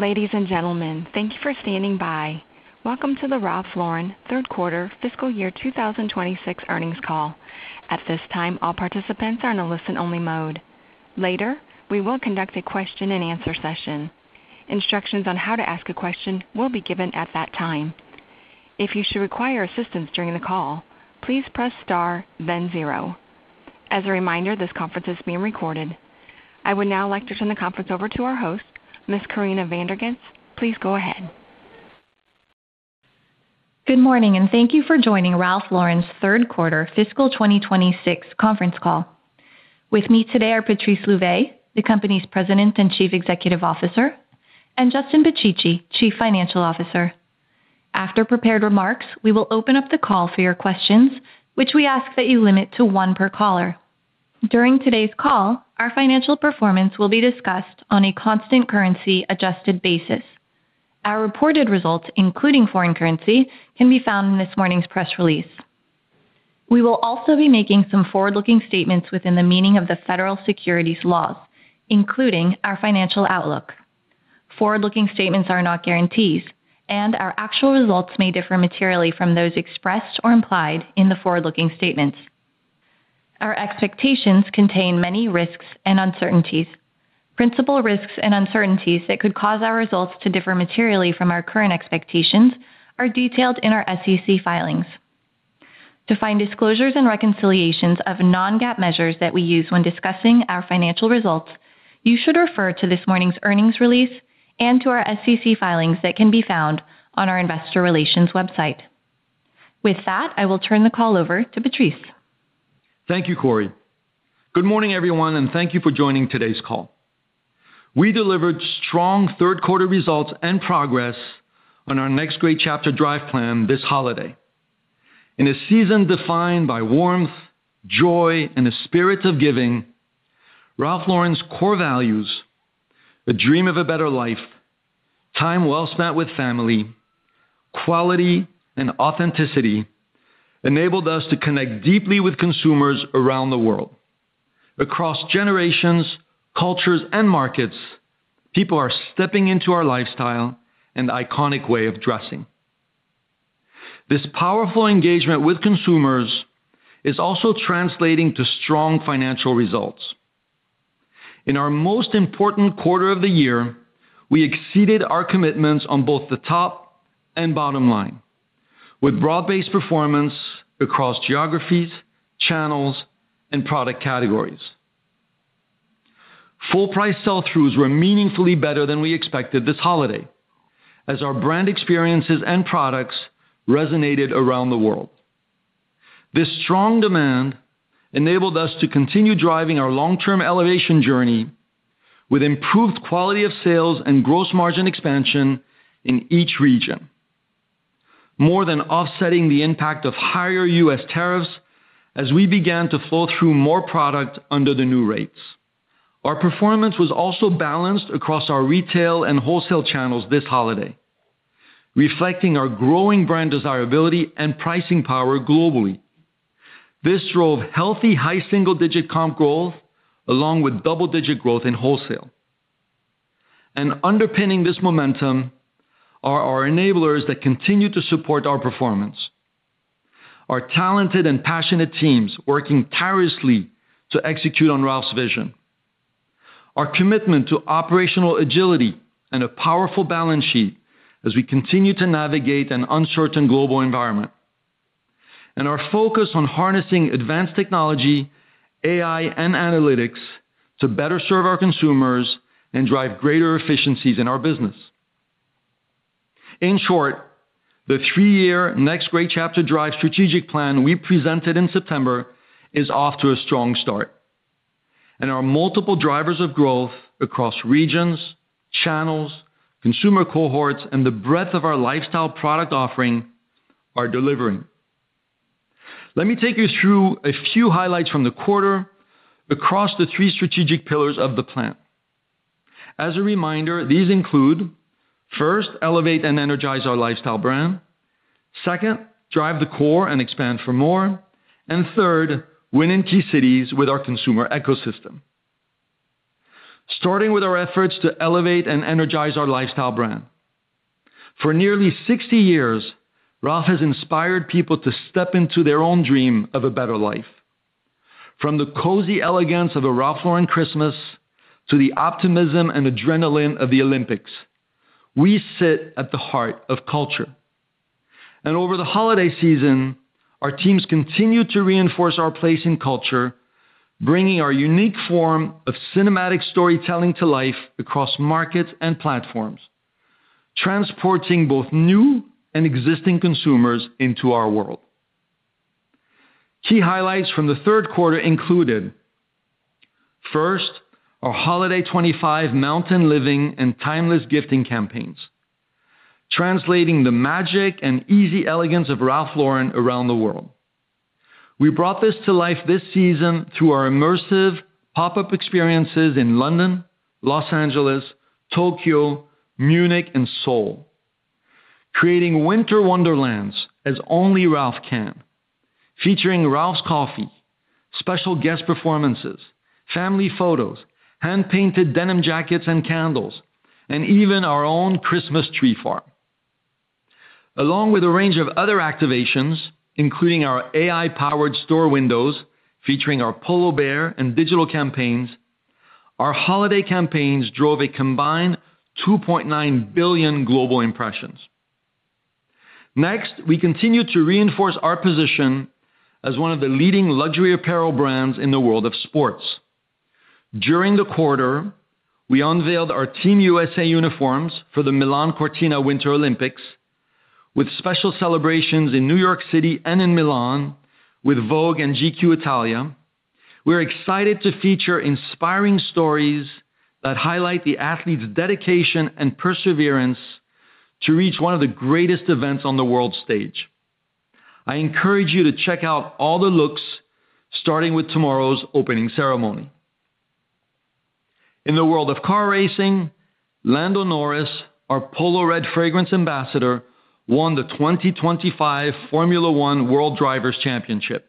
Ladies and gentlemen, thank you for standing by. Welcome to the Ralph Lauren Q3 Fiscal Year 2026 Earnings Call. At this time, all participants are in a listen-only mode. Later, we will conduct a question-and-answer session. Instructions on how to ask a question will be given at that time. If you should require assistance during the call, please press star then zero. As a reminder, this conference is being recorded. I would now like to turn the conference over to our host, Ms. Corinna Van der Ghinst. Please go ahead. Good morning, and thank you for joining Ralph Lauren's Q3 fiscal 2026 conference call. With me today are Patrice Louvet, the company's President and Chief Executive Officer, and Justin Picicci, Chief Financial Officer. After prepared remarks, we will open up the call for your questions, which we ask that you limit to one per caller. During today's call, our financial performance will be discussed on a constant currency-adjusted basis. Our reported results, including foreign currency, can be found in this morning's press release. We will also be making some forward-looking statements within the meaning of the federal securities laws, including our financial outlook. Forward-looking statements are not guarantees, and our actual results may differ materially from those expressed or implied in the forward-looking statements. Our expectations contain many risks and uncertainties. Principal risks and uncertainties that could cause our results to differ materially from our current expectations are detailed in our SEC filings. To find disclosures and reconciliations of non-GAAP measures that we use when discussing our financial results, you should refer to this morning's earnings release and to our SEC filings that can be found on our investor relations website. With that, I will turn the call over to Patrice. Thank you, Corrie. Good morning, everyone, and thank you for joining today's call. We delivered strong Q3 results and progress on our Next Great Chapter: Drive plan this holiday. In a season defined by warmth, joy, and a spirit of giving, Ralph Lauren's core values, the dream of a better life, time well spent with family, quality, and authenticity, enabled us to connect deeply with consumers around the world. Across generations, cultures, and markets, people are stepping into our lifestyle and iconic way of dressing. This powerful engagement with consumers is also translating to strong financial results. In our most important quarter of the year, we exceeded our commitments on both the top and bottom line, with broad-based performance across geographies, channels, and product categories. Full price sell-throughs were meaningfully better than we expected this holiday, as our brand experiences and products resonated around the world. This strong demand enabled us to continue driving our long-term elevation journey with improved quality of sales and gross margin expansion in each region, more than offsetting the impact of higher U.S. tariffs as we began to flow through more product under the new rates. Our performance was also balanced across our retail and wholesale channels this holiday, reflecting our growing brand desirability and pricing power globally. This drove healthy, high single-digit comp growth, along with double-digit growth in wholesale. Underpinning this momentum are our enablers that continue to support our performance, our talented and passionate teams working tirelessly to execute on Ralph's vision, our commitment to operational agility and a powerful balance sheet as we continue to navigate an uncertain global environment, and our focus on harnessing advanced technology, AI, and analytics to better serve our consumers and drive greater efficiencies in our business. In short, the three-year Next Great Chapter: Drive strategic plan we presented in September is off to a strong start, and our multiple drivers of growth across regions, channels, consumer cohorts, and the breadth of our lifestyle product offering are delivering. Let me take you through a few highlights from the quarter across the three strategic pillars of the plan. As a reminder, these include, first, Elevate and Energize Our Lifestyle Brand; second, Drive the Core and Expand for More; and third, Win in Key Cities with Our Consumer Ecosystem. Starting with our efforts to Elevate and Energize Our Lifestyle Brand. For nearly 60 years, Ralph has inspired people to step into their own dream of a better life. From the cozy elegance of a Ralph Lauren Christmas to the optimism and adrenaline of the Olympics, we sit at the heart of culture. Over the holiday season, our teams continued to reinforce our place in culture, bringing our unique form of cinematic storytelling to life across markets and platforms, transporting both new and existing consumers into our world. Key highlights from the Q3 included, first, our Holiday 2025 Mountain Living and Timeless Gifting campaigns, translating the magic and easy elegance of Ralph Lauren around the world. We brought this to life this season through our immersive pop-up experiences in London, Los Angeles, Tokyo, Munich, and Seoul, creating winter wonderlands as only Ralph can, featuring Ralph’s Coffee, special guest performances, family photos, hand-painted denim jackets and candles, and even our own Christmas tree farm. Along with a range of other activations, including our AI-powered store windows, featuring our Polo Bear and digital campaigns, our holiday campaigns drove a combined 2.9 billion global impressions. Next, we continue to reinforce our position as one of the leading luxury apparel brands in the world of sports. During the quarter, we unveiled our Team USA uniforms for the Milan-Cortina Winter Olympics, with special celebrations in New York City and in Milan with Vogue and GQ Italia. We're excited to feature inspiring stories that highlight the athletes' dedication and perseverance to reach one of the greatest events on the world stage. I encourage you to check out all the looks, starting with tomorrow's opening ceremony. In the world of car racing, Lando Norris, our Polo Red fragrance ambassador, won the 2025 Formula One World Drivers' Championship,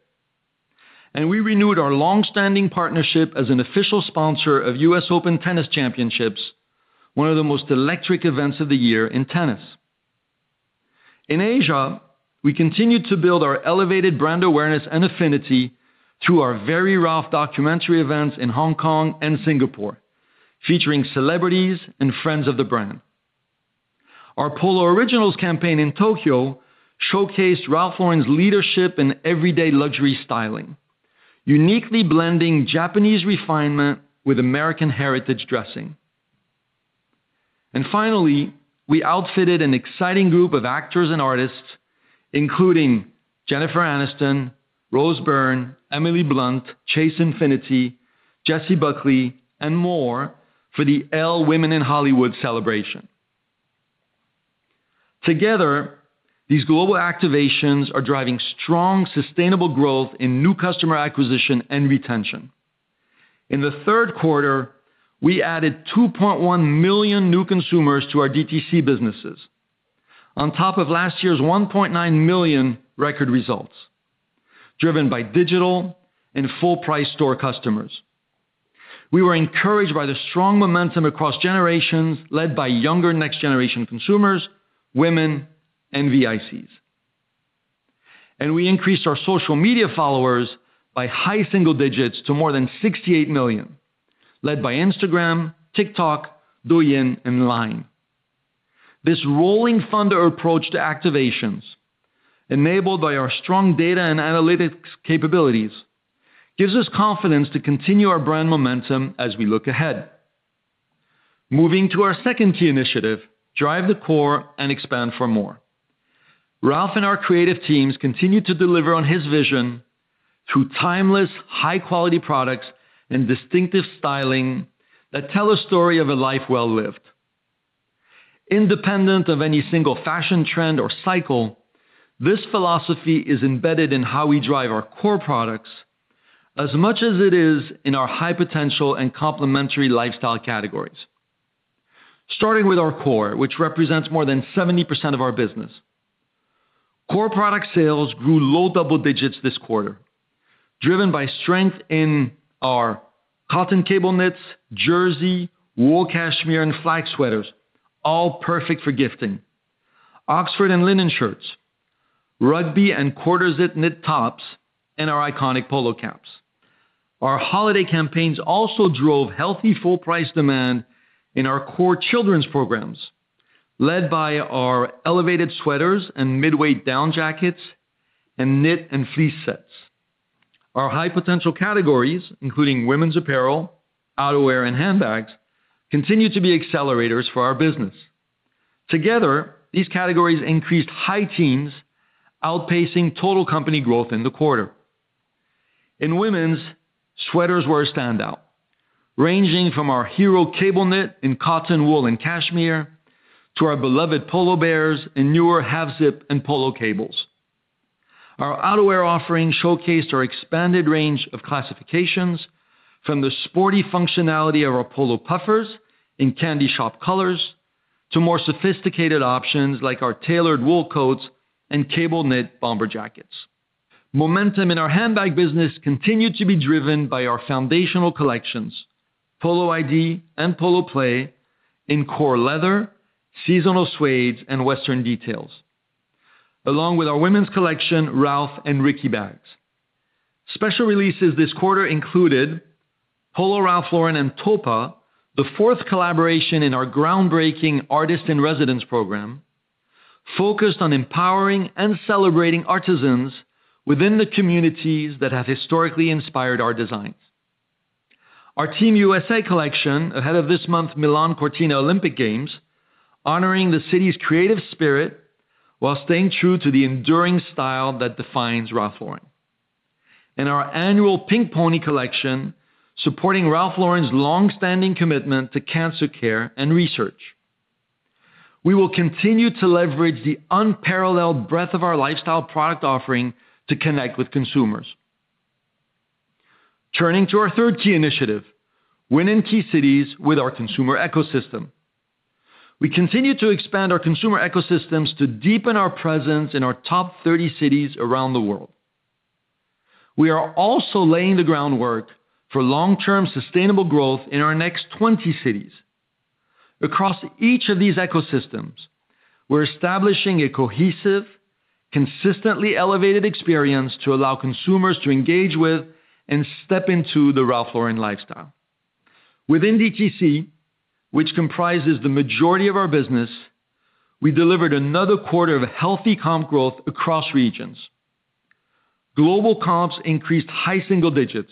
and we renewed our long-standing partnership as an official sponsor of U.S. Open Tennis Championships, one of the most electric events of the year in tennis. In Asia, we continued to build our elevated brand awareness and affinity through our Very Ralph documentary events in Hong Kong and Singapore, featuring celebrities and friends of the brand. Our Polo Originals campaign in Tokyo showcased Ralph Lauren's leadership in everyday luxury styling, uniquely blending Japanese refinement with American heritage dressing. And finally, we outfitted an exciting group of actors and artists, including Jennifer Aniston, Rose Byrne, Emily Blunt, Chase Infiniti, Jessie Buckley, and more, for the ELLE Women in Hollywood celebration. Together, these global activations are driving strong, sustainable growth in new customer acquisition and retention. In the Q3, we added 2.1 million new consumers to our DTC businesses, on top of last year's 1.9 million record results, driven by digital and full-price store customers. We were encouraged by the strong momentum across generations, led by younger, next-generation consumers, women, and VICs. We increased our social media followers by high single digits to more than 68 million, led by Instagram, TikTok, Douyin, and Line. This rolling thunder approach to activations, enabled by our strong data and analytics capabilities, gives us confidence to continue our brand momentum as we look ahead. Moving to our second key initiative, Drive the Core and Expand for More. Ralph and our creative teams continue to deliver on his vision through timeless, high-quality products and distinctive styling that tell a story of a life well lived. Independent of any single fashion trend or cycle, this philosophy is embedded in how we drive our core products as much as it is in our high-potential and complementary lifestyle categories. Starting with our core, which represents more than 70% of our business. Core product sales grew low double digits this quarter, driven by strength in our cotton cable knits, jersey, wool cashmere, and flag sweaters, all perfect for gifting, Oxford and linen shirts, rugby and quarter-zip knit tops, and our iconic polo caps. Our holiday campaigns also drove healthy, full-price demand in our core children's programs, led by our elevated sweaters and mid-weight down jackets and knit and fleece sets. Our high-potential categories, including women's apparel, outerwear, and handbags, continue to be accelerators for our business. Together, these categories increased high teens, outpacing total company growth in the quarter. In women's, sweaters were a standout, ranging from our hero cable knit in cotton, wool, and cashmere to our beloved Polo Bear in newer half-zip and polo cables. Our outerwear offerings showcased our expanded range of classifications, from the sporty functionality of our Polo puffers in candy shop colors, to more sophisticated options like our tailored wool coats and cable knit bomber jackets. Momentum in our handbag business continued to be driven by our foundational collections, Polo ID and Polo Play, in core leather, seasonal suedes, and Western details, along with our women's collection, Ralph and Ricky Bags. Special releases this quarter included Polo Ralph Lauren x TÓPA, the fourth collaboration in our groundbreaking Artist in Residence program, focused on empowering and celebrating artisans within the communities that have historically inspired our designs. Our Team USA collection, ahead of this month's Milan-Cortina Olympic Games, honoring the city's creative spirit while staying true to the enduring style that defines Ralph Lauren. Our annual Pink Pony collection, supporting Ralph Lauren's long-standing commitment to cancer care and research. We will continue to leverage the unparalleled breadth of our lifestyle product offering to connect with consumers. Turning to our third key initiative, Win in Key Cities with Our Consumer Ecosystem. We continue to expand our consumer ecosystems to deepen our presence in our top 30 cities around the world. We are also laying the groundwork for long-term sustainable growth in our next 20 cities. Across each of these ecosystems, we're establishing a cohesive, consistently elevated experience to allow consumers to engage with and step into the Ralph Lauren lifestyle. Within DTC, which comprises the majority of our business, we delivered another quarter of healthy comp growth across regions. Global comps increased high single digits,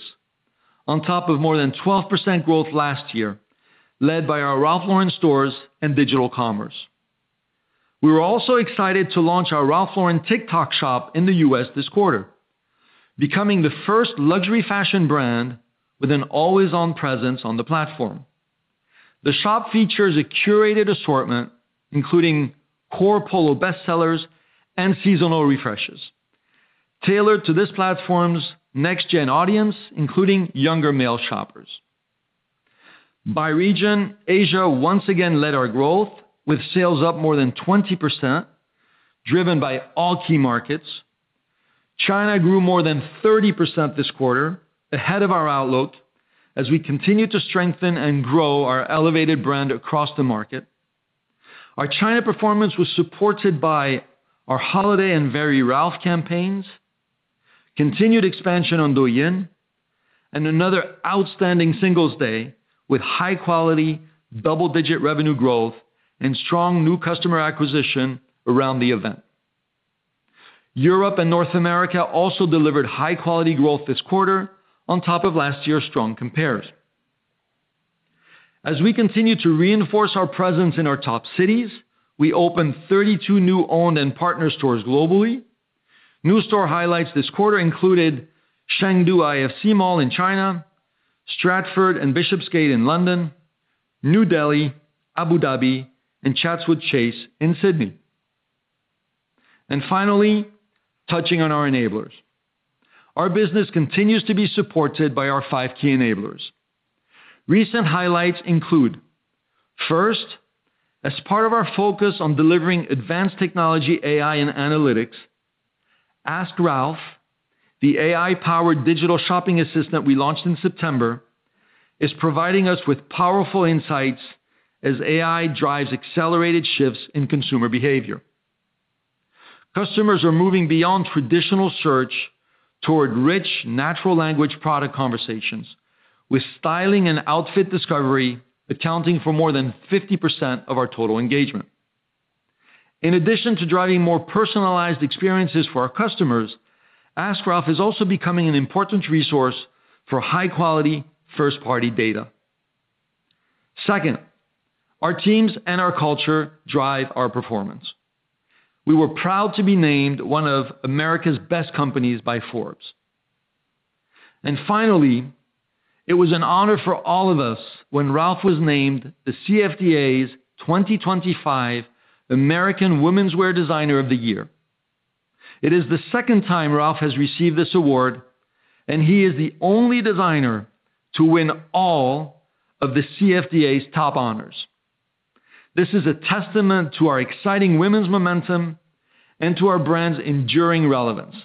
on top of more than 12% growth last year, led by our Ralph Lauren stores and digital commerce. We were also excited to launch our Ralph Lauren TikTok Shop in the U.S. this quarter, becoming the first luxury fashion brand with an always-on presence on the platform. The shop features a curated assortment, including core Polo bestsellers and seasonal refreshes, tailored to this platform's next-gen audience, including younger male shoppers. By region, Asia once again led our growth, with sales up more than 20%, driven by all key markets. China grew more than 30% this quarter, ahead of our outlook, as we continue to strengthen and grow our elevated brand across the market. Our China performance was supported by our holiday and Very Ralph campaigns, continued expansion on Douyin, and another outstanding Singles Day, with high-quality double-digit revenue growth and strong new customer acquisition around the event. Europe and North America also delivered high-quality growth this quarter on top of last year's strong compares. As we continue to reinforce our presence in our top cities, we opened 32 new owned and partner stores globally. New store highlights this quarter included Chengdu IFC Mall in China, Stratford and Bishopsgate in London, New Delhi, Abu Dhabi, and Chatswood Chase in Sydney. Finally, touching on our enablers. Our business continues to be supported by our five key enablers. Recent highlights include, first, as part of our focus on delivering advanced technology, AI, and analytics, Ask Ralph, the AI-powered digital shopping assistant we launched in September, is providing us with powerful insights as AI drives accelerated shifts in consumer behavior. Customers are moving beyond traditional search toward rich, natural language product conversations, with styling and outfit discovery accounting for more than 50% of our total engagement. In addition to driving more personalized experiences for our customers, Ask Ralph is also becoming an important resource for high-quality first-party data. Second, our teams and our culture drive our performance. We were proud to be named one of America's Best Companies by Forbes. Finally, it was an honor for all of us when Ralph was named the CFDA's 2025 American Womenswear Designer of the Year. It is the second time Ralph has received this award, and he is the only designer to win all of the CFDA's top honors. This is a testament to our exciting women's momentum and to our brand's enduring relevance.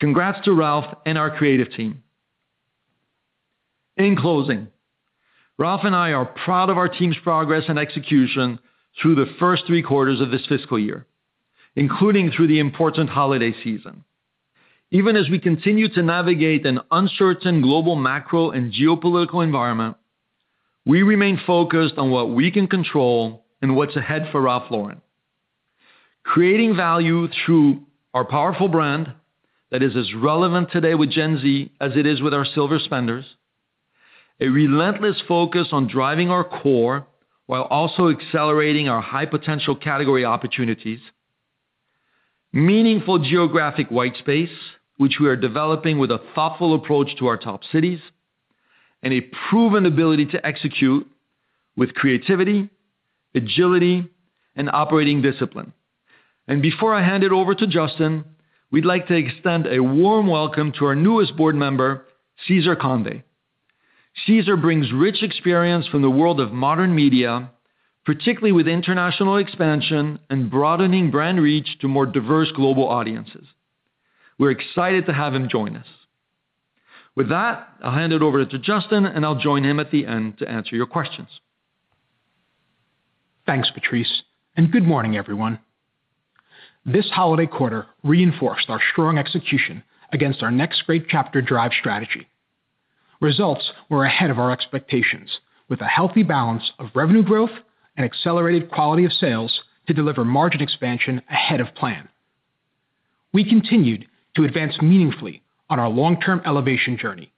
Congrats to Ralph and our creative team. In closing, Ralph and I are proud of our team's progress and execution through the first three quarters of this fiscal year, including through the important holiday season. Even as we continue to navigate an uncertain global, macro, and geopolitical environment, we remain focused on what we can control and what's ahead for Ralph Lauren. Creating value through our powerful brand that is as relevant today with Gen Z as it is with our silver spenders, a relentless focus on driving our core, while also accelerating our high-potential category opportunities, meaningful geographic white space, which we are developing with a thoughtful approach to our top cities, and a proven ability to execute with creativity, agility, and operating discipline. Before I hand it over to Justin, we'd like to extend a warm welcome to our newest board member, Cesar Conde. Cesar brings rich experience from the world of modern media, particularly with international expansion and broadening brand reach to more diverse global audiences. We're excited to have him join us. With that, I'll hand it over to Justin, and I'll join him at the end to answer your questions. Thanks, Patrice, and good morning, everyone. This holiday quarter reinforced our strong execution against our next great chapter drive strategy. Results were ahead of our expectations, with a healthy balance of revenue growth and accelerated quality of sales to deliver margin expansion ahead of plan. We continued to advance meaningfully on our long-term elevation journey,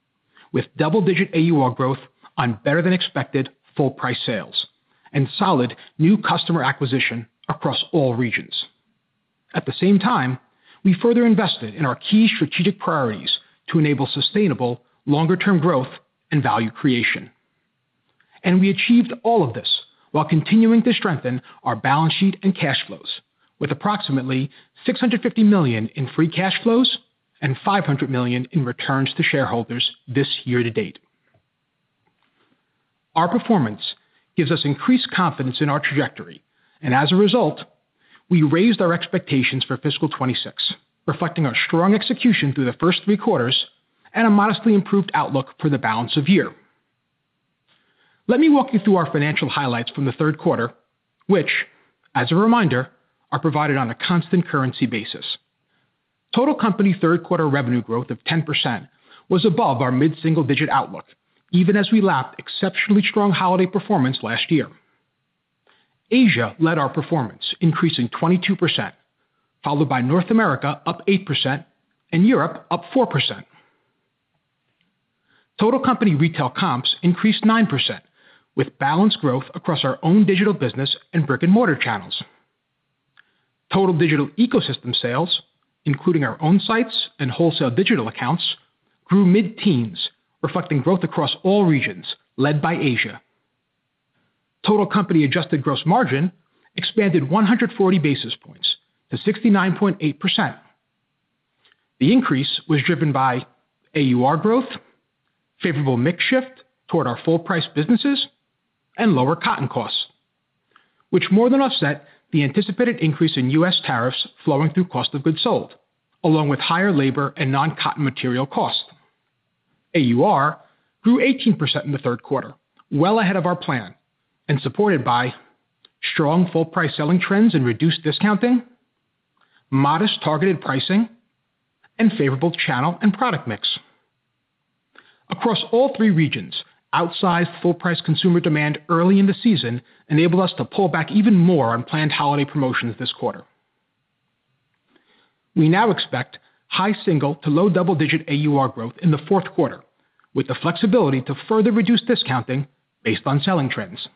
with double-digit AUR growth on better-than-expected full price sales and solid new customer acquisition across all regions. At the same time, we further invested in our key strategic priorities to enable sustainable, longer-term growth and value creation... and we achieved all of this while continuing to strengthen our balance sheet and cash flows, with approximately $650 million in free cash flows and $500 million in returns to shareholders this year to date. Our performance gives us increased confidence in our trajectory, and as a result, we raised our expectations for fiscal 2026, reflecting our strong execution through the first three quarters and a modestly improved outlook for the balance of year. Let me walk you through our financial highlights from the Q3, which, as a reminder, are provided on a constant currency basis. Total company Q3 revenue growth of 10% was above our mid-single-digit outlook, even as we lapped exceptionally strong holiday performance last year. Asia led our performance, increasing 22%, followed by North America, up 8%, and Europe, up 4%. Total company retail comps increased 9%, with balanced growth across our own digital business and brick-and-mortar channels. Total digital ecosystem sales, including our own sites and wholesale digital accounts, grew mid-teens, reflecting growth across all regions, led by Asia. Total company adjusted gross margin expanded 140 basis points to 69.8%. The increase was driven by AUR growth, favorable mix shift toward our full price businesses, and lower cotton costs, which more than offset the anticipated increase in U.S. tariffs flowing through cost of goods sold, along with higher labor and non-cotton material costs. AUR grew 18% in the Q3, well ahead of our plan and supported by strong full price selling trends and reduced discounting, modest targeted pricing, and favorable channel and product mix. Across all three regions, outsized full price consumer demand early in the season enabled us to pull back even more on planned holiday promotions this quarter. We now expect high single- to low double-digit AUR growth in the Q4, with the flexibility to further reduce discounting based on selling trends.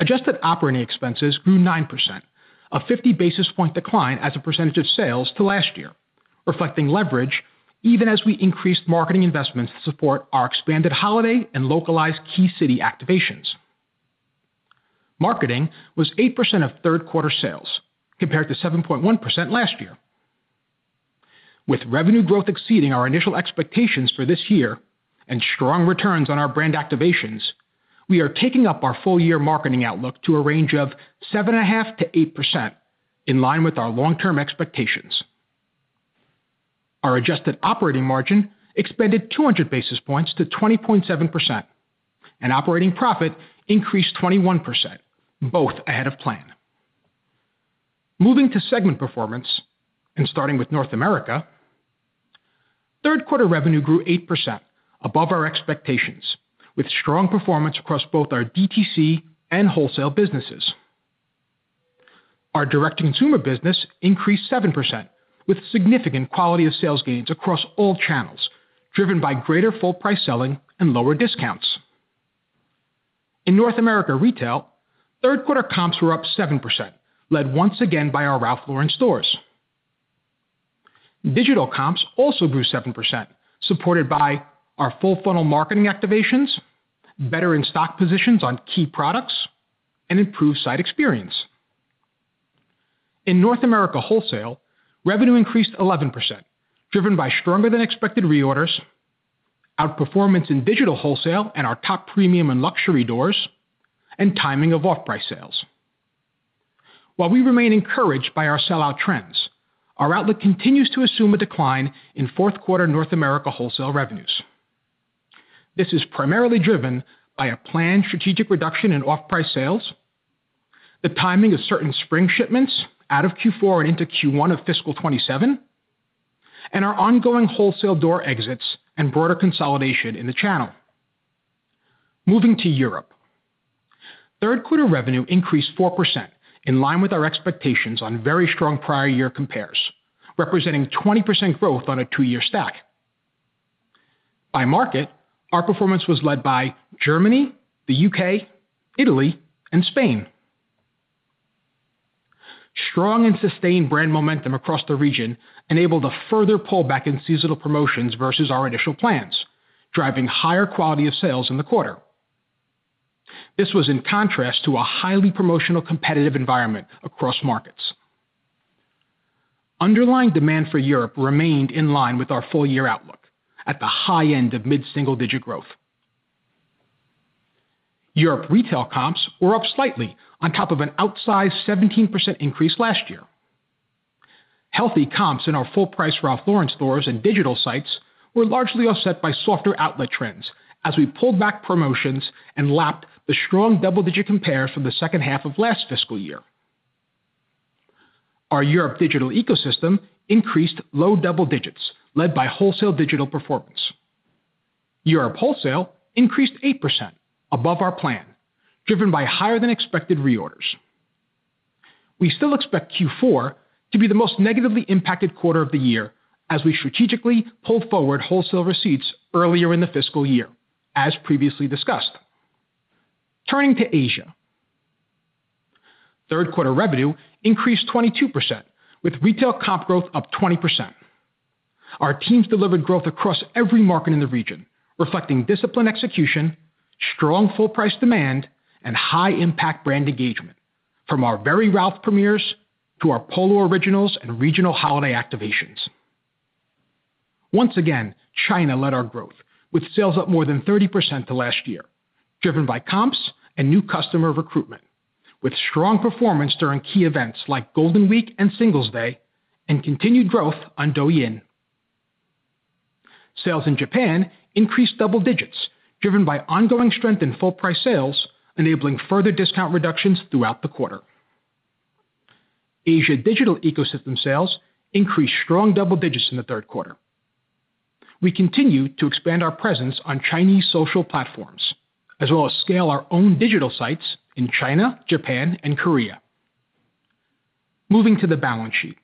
Adjusted operating expenses grew 9%, a 50 basis points decline as a percentage of sales to last year, reflecting leverage even as we increased marketing investments to support our expanded holiday and localized key city activations. Marketing was 8% of Q3 sales, compared to 7.1% last year. With revenue growth exceeding our initial expectations for this year and strong returns on our brand activations, we are taking up our full year marketing outlook to a range of 7.5%-8%, in line with our long-term expectations. Our adjusted operating margin expanded 200 basis points to 20.7%, and operating profit increased 21%, both ahead of plan. Moving to segment performance and starting with North America, Q3 revenue grew 8% above our expectations, with strong performance across both our DTC and wholesale businesses. Our direct-to-consumer business increased 7%, with significant quality of sales gains across all channels, driven by greater full price selling and lower discounts. In North America retail, Q3 comps were up 7%, led once again by our Ralph Lauren stores. Digital comps also grew 7%, supported by our full funnel marketing activations, better in-stock positions on key products, and improved site experience. In North America wholesale, revenue increased 11%, driven by stronger than expected reorders, outperformance in digital wholesale and our top premium and luxury doors, and timing of off-price sales. While we remain encouraged by our sellout trends, our outlook continues to assume a decline in Q4 North America wholesale revenues. This is primarily driven by a planned strategic reduction in off-price sales, the timing of certain spring shipments out of Q4 and into Q1 of fiscal 2027, and our ongoing wholesale door exits and broader consolidation in the channel. Moving to Europe. Q3 revenue increased 4%, in line with our expectations on very strong prior year compares, representing 20% growth on a two-year stack. By market, our performance was led by Germany, the UK, Italy, and Spain. Strong and sustained brand momentum across the region enabled a further pullback in seasonal promotions versus our initial plans, driving higher quality of sales in the quarter. This was in contrast to a highly promotional competitive environment across markets. Underlying demand for Europe remained in line with our full-year outlook at the high end of mid-single-digit growth. Europe retail comps were up slightly on top of an outsized 17% increase last year. Healthy comps in our full price Ralph Lauren stores and digital sites were largely offset by softer outlet trends as we pulled back promotions and lapped the strong double-digit compares from the second half of last fiscal year. Our Europe digital ecosystem increased low double digits, led by wholesale digital performance. Europe wholesale increased 8% above our plan, driven by higher than expected reorders. We still expect Q4 to be the most negatively impacted quarter of the year as we strategically pull forward wholesale receipts earlier in the fiscal year, as previously discussed. Turning to Asia. Q3 revenue increased 22%, with retail comp growth of 20%. Our teams delivered growth across every market in the region, reflecting disciplined execution, strong full-price demand, and high-impact brand engagement, from our Very Ralph premieres to our Polo Originals and regional holiday activations. Once again, China led our growth, with sales up more than 30% to last year, driven by comps and new customer recruitment, with strong performance during key events like Golden Week and Singles Day, and continued growth on Douyin. Sales in Japan increased double digits, driven by ongoing strength in full-price sales, enabling further discount reductions throughout the quarter. Asia digital ecosystem sales increased strong double digits in the Q3. We continue to expand our presence on Chinese social platforms, as well as scale our own digital sites in China, Japan, and Korea. Moving to the balance sheet.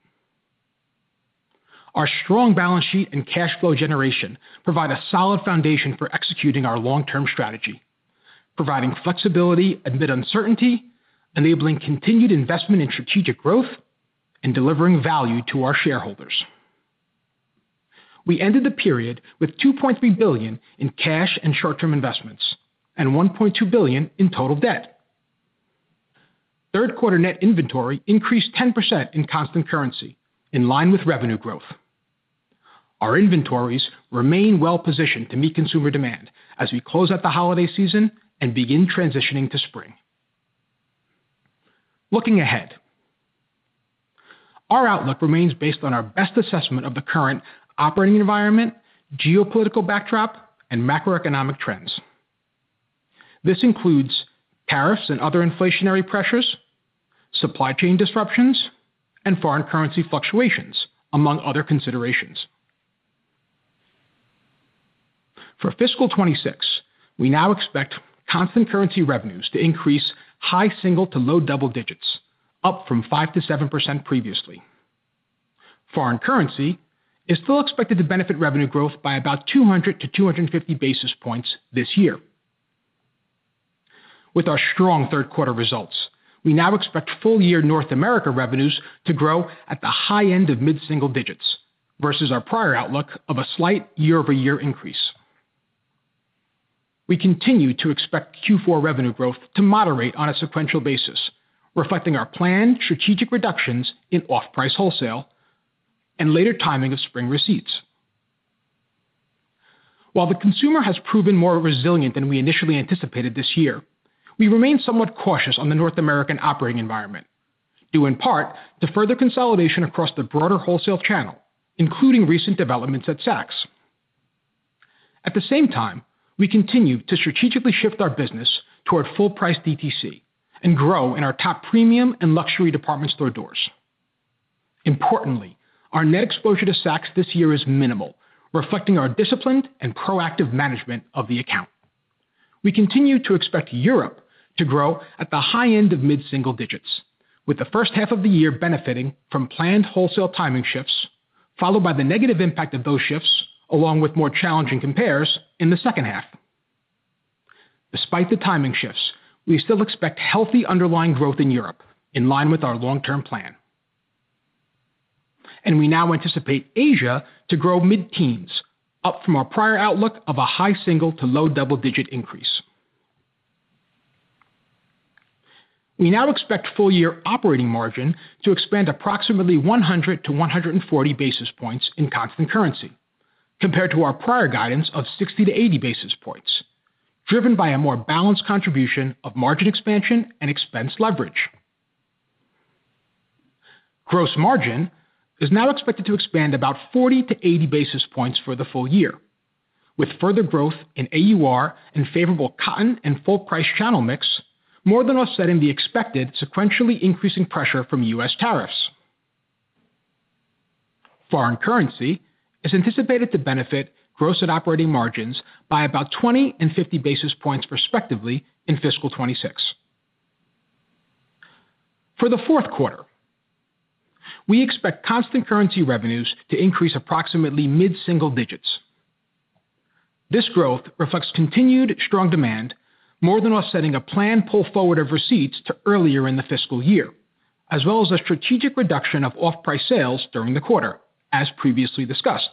Our strong balance sheet and cash flow generation provide a solid foundation for executing our long-term strategy, providing flexibility amid uncertainty, enabling continued investment in strategic growth, and delivering value to our shareholders. We ended the period with $2.3 billion in cash and short-term investments and $1.2 billion in total debt. Q3 net inventory increased 10% in constant currency, in line with revenue growth. Our inventories remain well positioned to meet consumer demand as we close out the holiday season and begin transitioning to spring. Looking ahead, our outlook remains based on our best assessment of the current operating environment, geopolitical backdrop, and macroeconomic trends. This includes tariffs and other inflationary pressures, supply chain disruptions, and foreign currency fluctuations, among other considerations. For Fiscal 2026, we now expect constant currency revenues to increase high single to low double digits, up from 5%-7% previously. Foreign currency is still expected to benefit revenue growth by about 200-250 basis points this year. With our strong Q3 results, we now expect full-year North America revenues to grow at the high end of mid-single digits versus our prior outlook of a slight year-over-year increase. We continue to expect Q4 revenue growth to moderate on a sequential basis, reflecting our planned strategic reductions in off-price wholesale and later timing of spring receipts. While the consumer has proven more resilient than we initially anticipated this year, we remain somewhat cautious on the North American operating environment, due in part to further consolidation across the broader wholesale channel, including recent developments at Saks. At the same time, we continue to strategically shift our business toward full-price DTC and grow in our top premium and luxury department store doors. Importantly, our net exposure to Saks this year is minimal, reflecting our disciplined and proactive management of the account. We continue to expect Europe to grow at the high end of mid-single digits, with the first half of the year benefiting from planned wholesale timing shifts, followed by the negative impact of those shifts, along with more challenging compares in the second half. Despite the timing shifts, we still expect healthy underlying growth in Europe in line with our long-term plan. We now anticipate Asia to grow mid-teens, up from our prior outlook of a high single to low double-digit increase. We now expect full-year operating margin to expand approximately 100-140 basis points in constant currency, compared to our prior guidance of 60-80 basis points, driven by a more balanced contribution of margin expansion and expense leverage. Gross margin is now expected to expand about 40-80 basis points for the full year, with further growth in AUR and favorable cotton and full-price channel mix more than offsetting the expected sequentially increasing pressure from U.S. tariffs. Foreign currency is anticipated to benefit gross and operating margins by about 20 and 50 basis points, respectively, in fiscal 2026. For the Q4, we expect constant currency revenues to increase approximately mid-single digits. This growth reflects continued strong demand, more than offsetting a planned pull forward of receipts to earlier in the fiscal year, as well as a strategic reduction of off-price sales during the quarter, as previously discussed.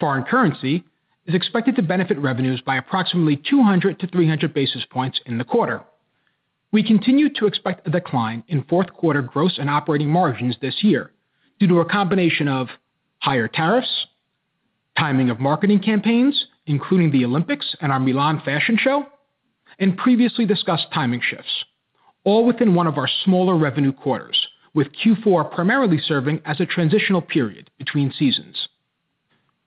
Foreign currency is expected to benefit revenues by approximately 200-300 basis points in the quarter. We continue to expect a decline in Q4 gross and operating margins this year due to a combination of higher tariffs, timing of marketing campaigns, including the Olympics and our Milan fashion show, and previously discussed timing shifts, all within one of our smaller revenue quarters, with Q4 primarily serving as a transitional period between seasons.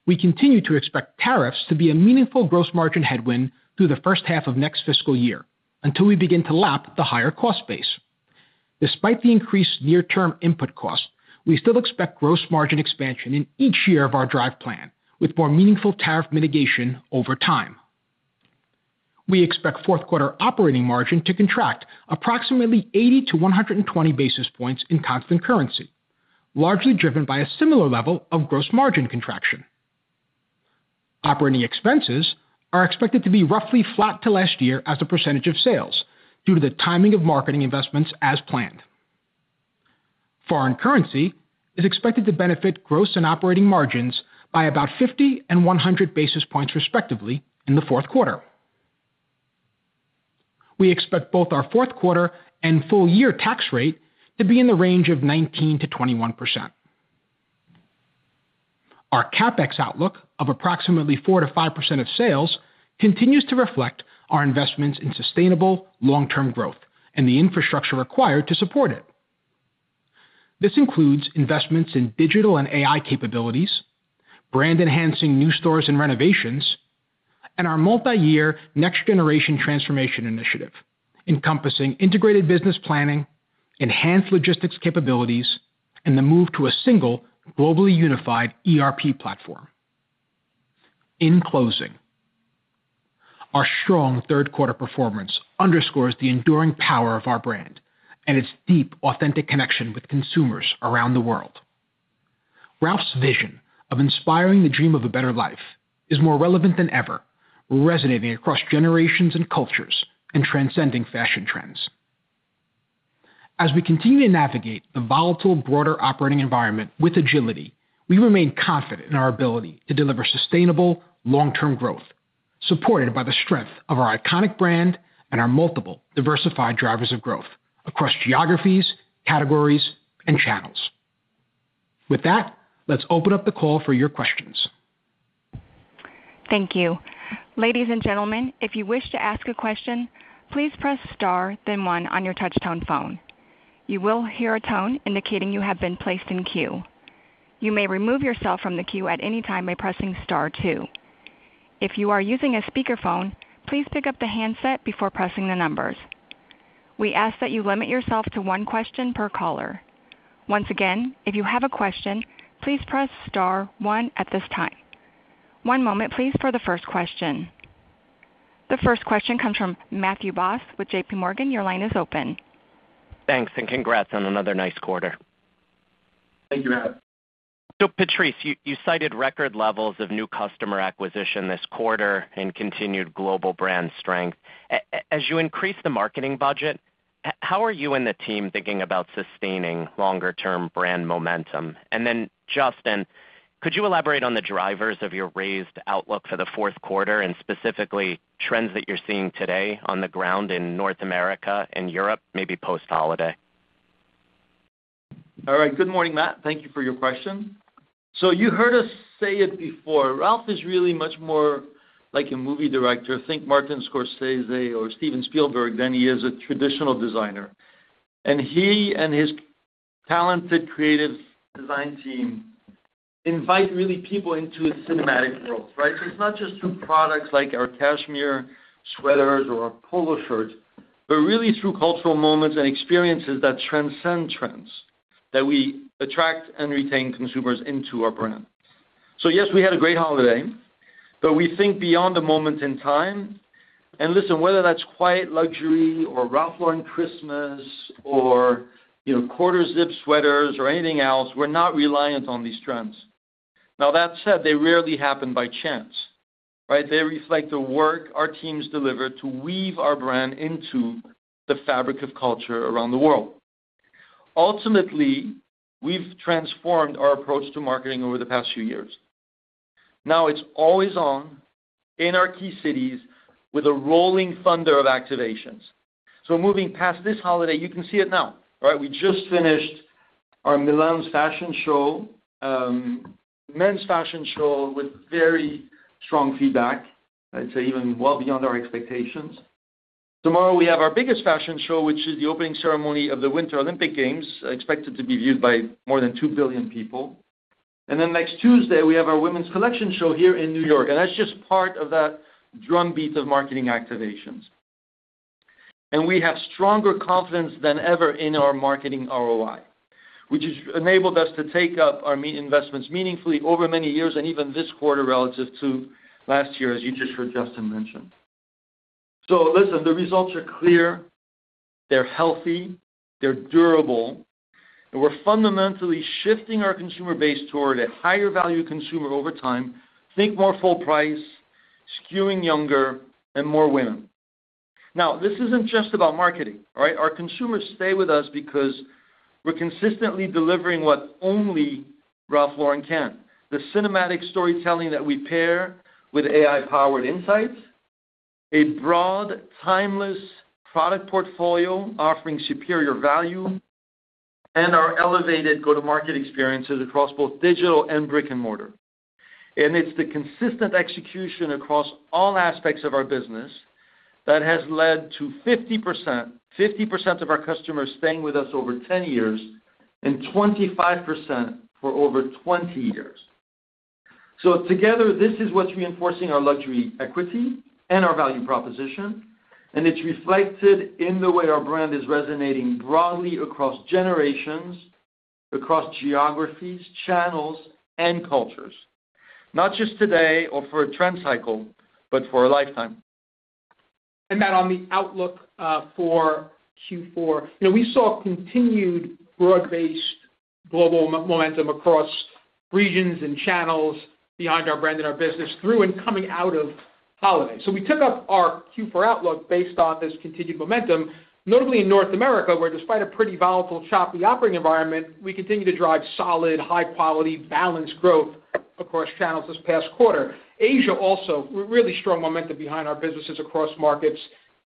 We continue to expect tariffs to be a meaningful gross margin headwind through the first half of next fiscal year until we begin to lap the higher cost base. Despite the increased near-term input cost, we still expect gross margin expansion in each year of our drive plan, with more meaningful tariff mitigation over time. We expect Q4 operating margin to contract approximately 80-120 basis points in constant currency, largely driven by a similar level of gross margin contraction. Operating expenses are expected to be roughly flat to last year as a percentage of sales, due to the timing of marketing investments as planned. Foreign currency is expected to benefit gross and operating margins by about 50 and 100 basis points, respectively, in the Q4. We expect both our Q4 and full year tax rate to be in the range of 19%-21%. Our CapEx outlook of approximately 4%-5% of sales continues to reflect our investments in sustainable long-term growth and the infrastructure required to support it. This includes investments in digital and AI capabilities, brand-enhancing new stores and renovations, and our multi-year next generation transformation initiative, encompassing integrated business planning, enhanced logistics capabilities, and the move to a single globally unified ERP platform. In closing, our strong Q3 performance underscores the enduring power of our brand and its deep, authentic connection with consumers around the world. Ralph's vision of inspiring the dream of a better life is more relevant than ever, resonating across generations and cultures and transcending fashion trends. As we continue to navigate the volatile broader operating environment with agility, we remain confident in our ability to deliver sustainable, long-term growth, supported by the strength of our iconic brand and our multiple diversified drivers of growth across geographies, categories, and channels. With that, let's open up the call for your questions. Thank you. Ladies and gentlemen, if you wish to ask a question, please press star then one on your touchtone phone. You will hear a tone indicating you have been placed in queue. You may remove yourself from the queue at any time by pressing star two. If you are using a speakerphone, please pick up the handset before pressing the numbers. We ask that you limit yourself to one question per caller. Once again, if you have a question, please press star one at this time. One moment, please, for the first question. The first question comes from Matthew Boss with J.PMorgan. Your line is open. Thanks, and congrats on another nice quarter. Thank you, Matt. So, Patrice, you cited record levels of new customer acquisition this quarter and continued global brand strength. As you increase the marketing budget, how are you and the team thinking about sustaining longer-term brand momentum? And then, Justin, could you elaborate on the drivers of your raised outlook for the Q4 and specifically trends that you're seeing today on the ground in North America and Europe, maybe post-holiday? All right. Good morning, Matt. Thank you for your question. So you heard us say it before, Ralph is really much more like a movie director, think Martin Scorsese or Steven Spielberg, than he is a traditional designer. And he and his talented creative design team invite really people into his cinematic world, right? So it's not just through products like our cashmere sweaters or our polo shirts, but really through cultural moments and experiences that transcend trends, that we attract and retain consumers into our brand. So yes, we had a great holiday, but we think beyond the moment in time. And listen, whether that's quiet luxury or Ralph Lauren Christmas or, you know, quarter-zip sweaters or anything else, we're not reliant on these trends. Now, that said, they rarely happen by chance, right? They reflect the work our teams deliver to weave our brand into the fabric of culture around the world. Ultimately, we've transformed our approach to marketing over the past few years. Now it's always on, in our key cities, with a rolling thunder of activations. So moving past this holiday, you can see it now, right? We just finished our Milan fashion show, men's fashion show, with very strong feedback, I'd say even well beyond our expectations. Tomorrow, we have our biggest fashion show, which is the opening ceremony of the Winter Olympic Games, expected to be viewed by more than 2 billion people. And then next Tuesday, we have our women's collection show here in New York, and that's just part of that drumbeat of marketing activations. We have stronger confidence than ever in our marketing ROI, which has enabled us to take up our investments meaningfully over many years and even this quarter relative to last year, as you just heard Justin mention. So listen, the results are clear, they're healthy, they're durable, and we're fundamentally shifting our consumer base toward a higher-value consumer over time. Think more full price, skewing younger and more women. Now, this isn't just about marketing, all right? Our consumers stay with us because we're consistently delivering what only Ralph Lauren can. The cinematic storytelling that we pair with AI-powered insights, a broad, timeless product portfolio offering superior value, and our elevated go-to-market experiences across both digital and brick-and-mortar. It's the consistent execution across all aspects of our business that has led to 50%, 50% of our customers staying with us over 10 years and 25% for over 20 years. So together, this is what's reinforcing our luxury equity and our value proposition, and it's reflected in the way our brand is resonating broadly across generations, across geographies, channels, and cultures. Not just today or for a trend cycle, but for a lifetime.... And Matt, on the outlook, for Q4, you know, we saw continued broad-based global momentum across regions and channels behind our brand and our business through and coming out of holiday. So we took up our Q4 outlook based on this continued momentum, notably in North America, where despite a pretty volatile, choppy operating environment, we continue to drive solid, high quality, balanced growth across channels this past quarter. Asia also, really strong momentum behind our businesses across markets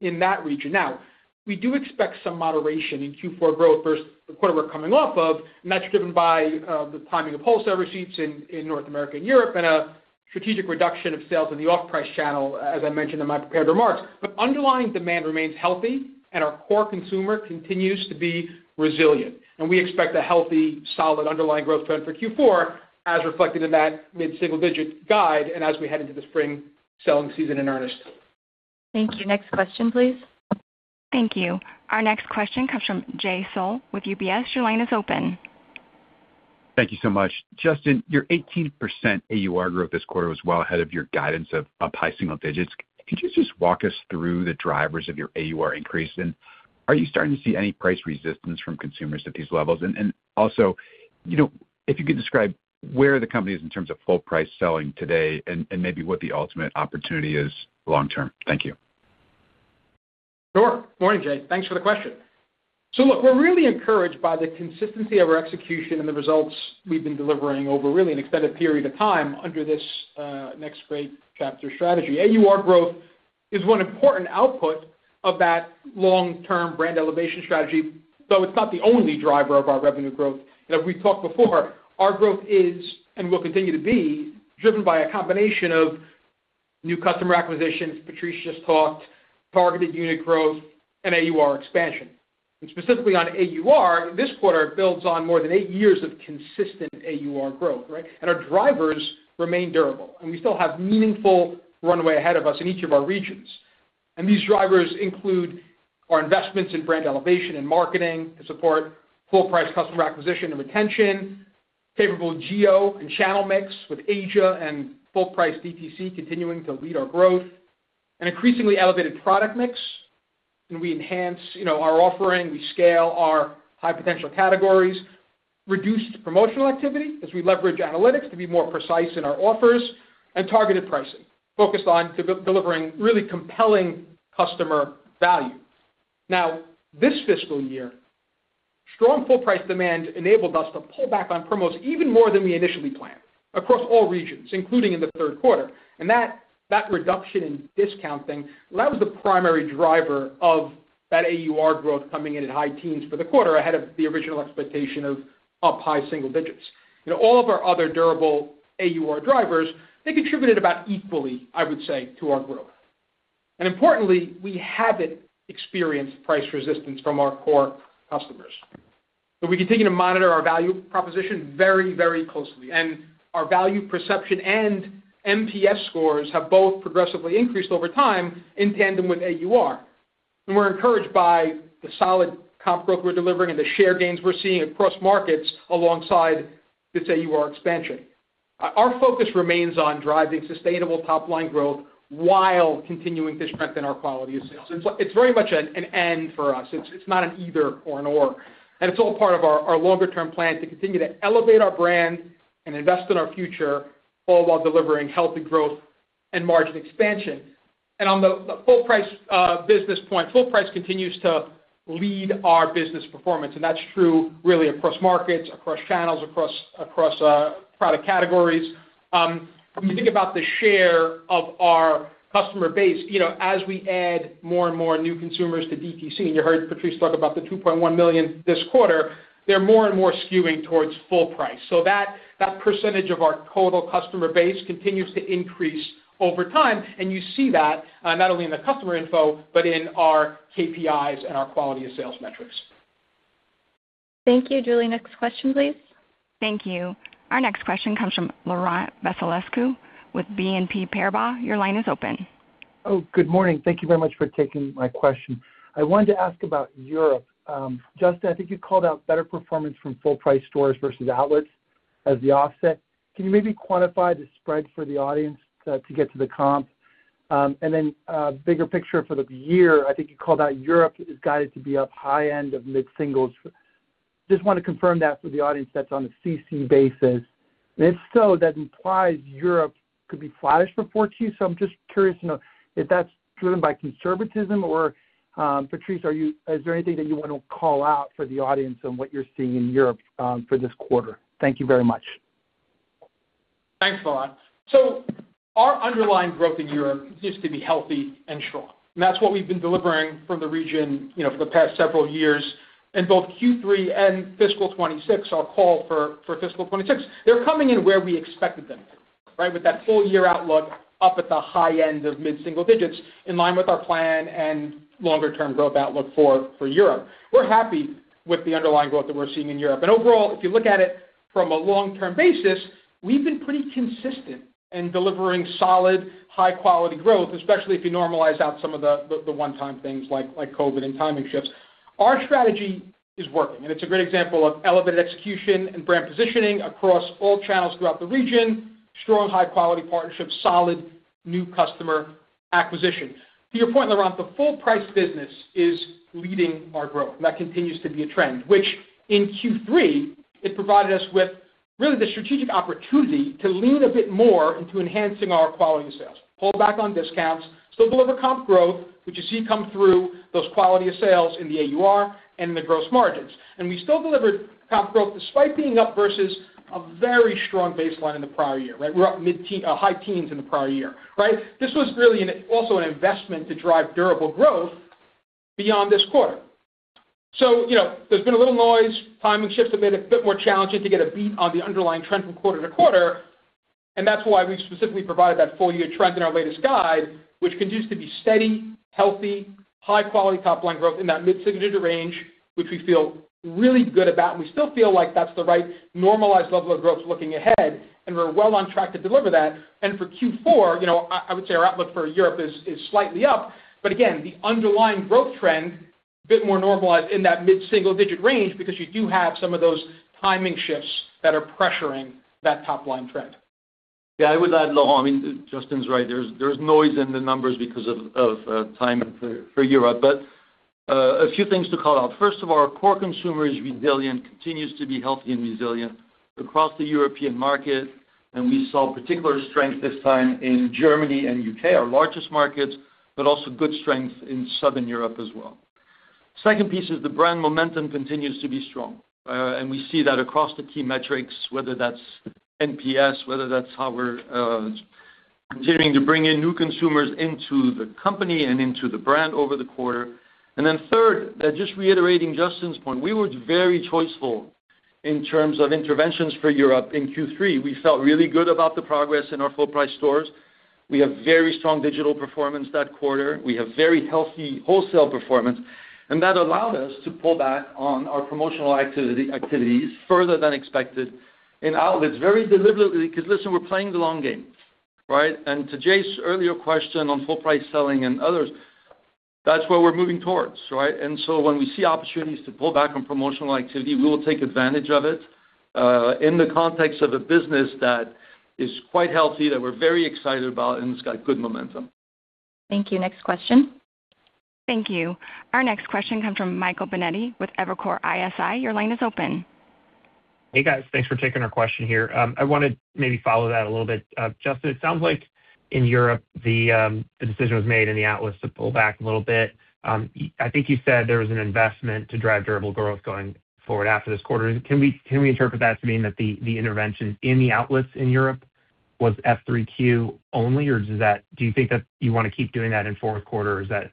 in that region. Now, we do expect some moderation in Q4 growth versus the quarter we're coming off of, and that's driven by the timing of wholesale receipts in North America and Europe, and a strategic reduction of sales in the off-price channel, as I mentioned in my prepared remarks. But underlying demand remains healthy, and our core consumer continues to be resilient, and we expect a healthy, solid, underlying growth trend for Q4, as reflected in that mid-single digit guide and as we head into the spring selling season in earnest. Thank you. Next question, please. Thank you. Our next question comes from Jay Sole with UBS. Your line is open. Thank you so much. Justin, your 18% AUR growth this quarter was well ahead of your guidance of up high single digits. Could you just walk us through the drivers of your AUR increase? And are you starting to see any price resistance from consumers at these levels? And, and also, you know, if you could describe where the company is in terms of full price selling today and, and maybe what the ultimate opportunity is long term. Thank you. Sure. Morning, Jay. Thanks for the question. So look, we're really encouraged by the consistency of our execution and the results we've been delivering over really an extended period of time under this next great chapter strategy. AUR growth is one important output of that long-term brand elevation strategy, though it's not the only driver of our revenue growth. And as we've talked before, our growth is, and will continue to be, driven by a combination of new customer acquisitions, Patrice just talked, targeted unit growth and AUR expansion. And specifically on AUR, this quarter builds on more than eight years of consistent AUR growth, right? And our drivers remain durable, and we still have meaningful runway ahead of us in each of our regions. These drivers include our investments in brand elevation and marketing to support full price customer acquisition and retention, favorable geo and channel mix, with Asia and full price DTC continuing to lead our growth, an increasingly elevated product mix, and we enhance, you know, our offering, we scale our high potential categories, reduced promotional activity as we leverage analytics to be more precise in our offers, and targeted pricing, focused on delivering really compelling customer value. Now, this fiscal year, strong full price demand enabled us to pull back on promos even more than we initially planned across all regions, including in the Q3. That, that reduction in discounting, well, that was the primary driver of that AUR growth coming in at high teens for the quarter, ahead of the original expectation of up high single digits. You know, all of our other durable AUR drivers, they contributed about equally, I would say, to our growth. And importantly, we haven't experienced price resistance from our core customers. But we continue to monitor our value proposition very, very closely, and our value perception and NPS scores have both progressively increased over time in tandem with AUR. And we're encouraged by the solid comp growth we're delivering and the share gains we're seeing across markets alongside this AUR expansion. Our focus remains on driving sustainable top-line growth while continuing to strengthen our quality of sales. It's, it's very much an, an and for us. It's, it's not an either or an or. And it's all part of our, our longer term plan to continue to elevate our brand and invest in our future, all while delivering healthy growth and margin expansion. On the full price business point, full price continues to lead our business performance, and that's true really across markets, across channels, across product categories. When you think about the share of our customer base, you know, as we add more and more new consumers to DTC, and you heard Patrice talk about the 2.1 million this quarter, they're more and more skewing towards full price. So that percentage of our total customer base continues to increase over time, and you see that not only in the customer info, but in our KPIs and our quality of sales metrics. Thank you. Julie, next question, please. Thank you. Our next question comes from Laurent Vasilescu with BNP Paribas. Your line is open. Oh, good morning. Thank you very much for taking my question. I wanted to ask about Europe. Justin, I think you called out better performance from full price stores versus outlets as the offset. Can you maybe quantify the spread for the audience, to get to the comp? And then, bigger picture for the year, I think you called out Europe is guided to be up high end of mid-singles. Just wanna confirm that for the audience, that's on a CC basis. And if so, that implies Europe could be flattish for forty. So I'm just curious to know if that's driven by conservatism or, Patrice, are you-- is there anything that you want to call out for the audience on what you're seeing in Europe, for this quarter? Thank you very much. Thanks, Laurent. So our underlying growth in Europe continues to be healthy and strong, and that's what we've been delivering from the region, you know, for the past several years. Both Q3 and fiscal 2026, our call for fiscal 2026, they're coming in where we expected them, right? With that full year outlook up at the high end of mid-single digits, in line with our plan and longer term growth outlook for Europe. We're happy with the underlying growth that we're seeing in Europe. Overall, if you look at it from a long-term basis, we've been pretty consistent in delivering solid, high quality growth, especially if you normalize out some of the one-time things like Covid and timing shifts. Our strategy is working, and it's a great example of elevated execution and brand positioning across all channels throughout the region.... strong, high-quality partnerships, solid new customer acquisition. To your point, Laurent, the full price business is leading our growth, and that continues to be a trend, which in Q3, it provided us with really the strategic opportunity to lean a bit more into enhancing our quality of sales, pull back on discounts, still deliver comp growth, which you see come through those quality of sales in the AUR and in the gross margins. And we still delivered comp growth despite being up versus a very strong baseline in the prior year, right? We're up mid-teen, high teens in the prior year, right? This was really also an investment to drive durable growth beyond this quarter. So, you know, there's been a little noise. Timing shifts have made it a bit more challenging to get a beat on the underlying trend from quarter to quarter, and that's why we specifically provided that full-year trend in our latest guide, which continues to be steady, healthy, high-quality top line growth in that mid-single-digit range, which we feel really good about, and we still feel like that's the right normalized level of growth looking ahead, and we're well on track to deliver that. And for Q4, you know, I would say our outlook for Europe is slightly up. But again, the underlying growth trend, a bit more normalized in that mid-single digit range because you do have some of those timing shifts that are pressuring that top-line trend. Yeah, I would add, Laurent, I mean, Justin's right. There's noise in the numbers because of timing for Europe. But a few things to call out. First of all, our core consumer is resilient, continues to be healthy and resilient across the European market, and we saw particular strength this time in Germany and UK, our largest markets, but also good strength in Southern Europe as well. Second piece is the brand momentum continues to be strong, and we see that across the key metrics, whether that's NPS, whether that's how we're continuing to bring in new consumers into the company and into the brand over the quarter. And then third, just reiterating Justin's point, we were very choiceful in terms of interventions for Europe in Q3. We felt really good about the progress in our full price stores. We have very strong digital performance that quarter. We have very healthy wholesale performance, and that allowed us to pull back on our promotional activity, activities further than expected in outlets, very deliberately, because, listen, we're playing the long game, right? And to Jay's earlier question on full price selling and others, that's where we're moving towards, right? And so when we see opportunities to pull back on promotional activity, we will take advantage of it, in the context of a business that is quite healthy, that we're very excited about, and it's got good momentum. Thank you. Next question. Thank you. Our next question comes from Michael Binetti with Evercore ISI. Your line is open. Hey, guys. Thanks for taking our question here. I wanna maybe follow that a little bit. Justin, it sounds like in Europe, the decision was made in the outlets to pull back a little bit. I think you said there was an investment to drive durable growth going forward after this quarter. Can we interpret that to mean that the intervention in the outlets in Europe was F3Q only, or does that—do you think that you wanna keep doing that in Q4, or is that...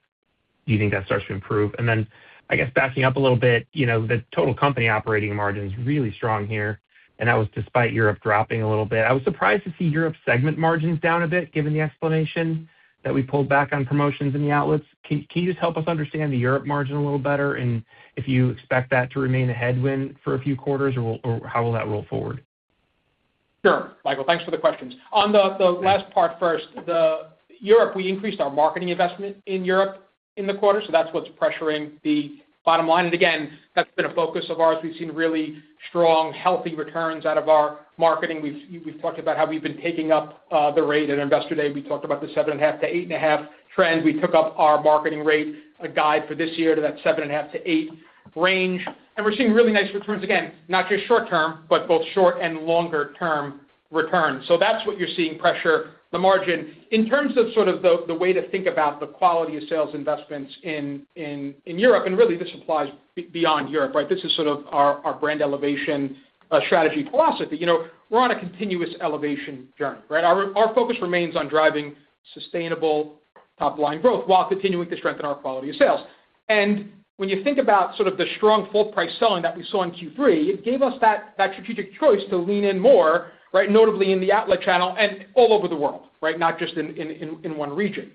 Do you think that starts to improve? And then, I guess backing up a little bit, you know, the total company operating margin is really strong here, and that was despite Europe dropping a little bit. I was surprised to see Europe segment margins down a bit, given the explanation that we pulled back on promotions in the outlets. Can you just help us understand the Europe margin a little better, and if you expect that to remain a headwind for a few quarters, or will or how will that roll forward? Sure, Michael. Thanks for the questions. On the last part first, the Europe, we increased our marketing investment in Europe in the quarter, so that's what's pressuring the bottom line. And again, that's been a focus of ours. We've seen really strong, healthy returns out of our marketing. We've talked about how we've been taking up the rate. At Investor Day, we talked about the 7.5-8.5 trend. We took up our marketing rate, a guide for this year to that 7.5-8 range, and we're seeing really nice returns again, not just short term, but both short and longer term returns. So that's what you're seeing pressure the margin. In terms of sort of the way to think about the quality of sales investments in Europe, and really this applies beyond Europe, right? This is sort of our brand elevation strategy philosophy. You know, we're on a continuous elevation journey, right? Our focus remains on driving sustainable top-line growth while continuing to strengthen our quality of sales. And when you think about sort of the strong full price selling that we saw in Q3, it gave us that strategic choice to lean in more, right, notably in the outlet channel and all over the world, right? Not just in one region.